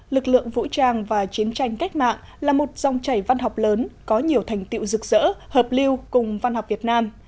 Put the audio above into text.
lực lượng vũ trang và chiến tranh cách mạng là một dòng chảy văn học lớn có nhiều thành tiệu rực rỡ hợp lưu cùng văn học việt nam